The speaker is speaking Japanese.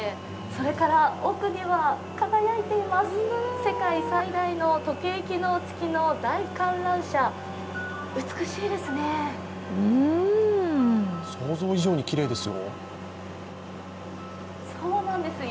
それから奥には輝いています、世界最大の時計機能付きの大観覧車、想像以上にきれいですよ。